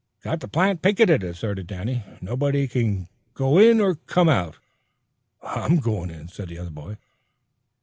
"Got the plant picketed," asserted Danny. "Nobody can't go in or come out." "I'm goin' in," said the other boy.